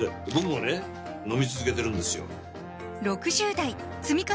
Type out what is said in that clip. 飲み続けてるんですよ